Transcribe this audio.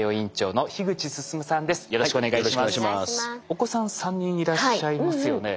お子さん３人いらっしゃいますよね。